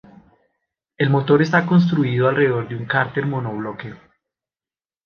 El motor está construido alrededor de un cárter monobloque.